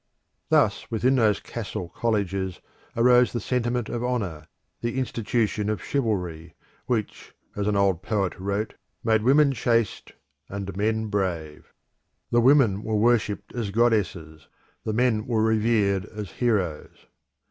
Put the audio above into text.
Thus, within those castle colleges arose the sentiment of Honour, the institution of Chivalry, which, as an old poet wrote, made women chaste and men brave. The women were worshipped as goddesses, the men were revered as heroes.